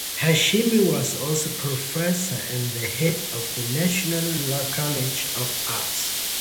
Hashmi was also professor and the head of the National College of Arts.